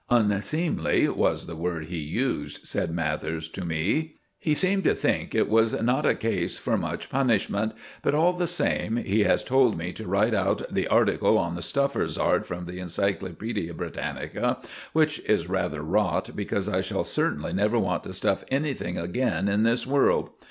"'Unseemly' was the word he used," said Mathers to me. "He seemed to think it was not a case for much punishment; but, all the same, he has told me to write out the article on the stuffer's art from the Encyclopædia Britannica, which is rather rot, because I shall certainly never want to stuff anything again in this world.